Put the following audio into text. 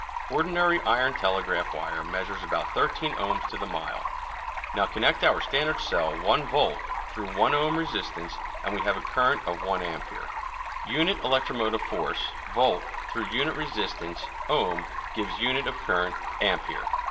Ordinary iron telegraph wire measures about thirteen ohms to the mile. Now connect our standard cell one volt through one ohm resistance and we have a current of one ampère. Unit electromotive force (volt) through unit resistance (ohm) gives unit of current (ampère).